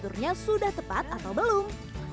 tidurnya sudah tepat atau belum